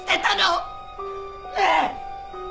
ねえ！